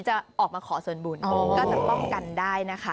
จะออกมาขอส่วนบุญก็จะป้องกันได้นะคะ